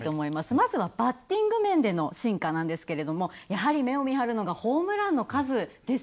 まずはバッティング面での進化なんですけれどもやはり目をみはるのがホームランの数ですよね。